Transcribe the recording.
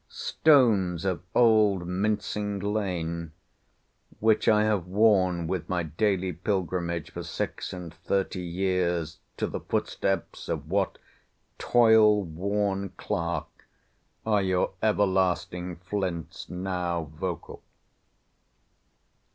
Stones of old Mincing lane, which I have worn with my daily pilgrimage for six and thirty years, to the footsteps of what toil worn clerk are your everlasting flints now vocal?